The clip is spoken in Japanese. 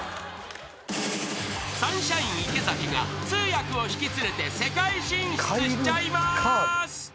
［サンシャイン池崎が通訳を引き連れて世界進出しちゃいます］